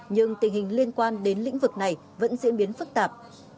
nhưng tình hình liên quan đến lĩnh vực này vẫn diễn biến phức tạp